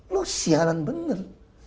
lo sialan bener